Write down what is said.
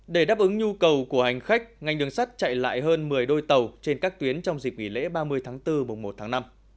để đáp ứng nhu cầu của hành khách ngành đường sắt chạy lại hơn một mươi đôi tàu trên các tuyến trong dịp nghỉ lễ ba mươi tháng bốn mùa một tháng năm